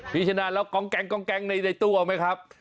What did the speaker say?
พี่ชะนานเรากองแก๊งในตู้เอาไหมครับ